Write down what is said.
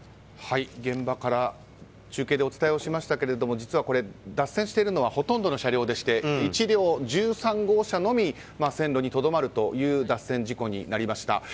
現場から中継でお伝えしましたが実は、脱線しているのはほとんどの車両でして１両、１３号車のみが線路にとどまるという脱線事故になりました。